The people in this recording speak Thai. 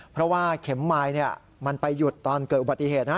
เพราะว่าเข็มไมค์ไปหยุดเมื่อเกิดอุบัติเหตุ